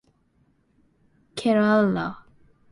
Kerala.